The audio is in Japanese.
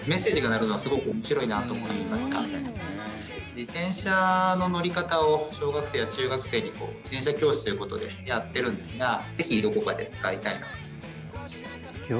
自転車の乗り方を小学生や中学生に自転車教室ということでやってるんですがぜひどこかで使いたいなと。